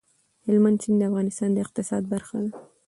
هلمند سیند د افغانستان د اقتصاد برخه ده.